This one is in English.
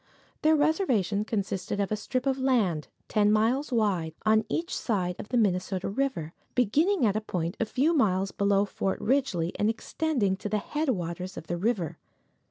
Their reservation consisted of a strip of land, ten miles wide, on each side of the Minnesota river, beginning at a point a few miles below Fort Ridgely and extending to the headwaters of the river.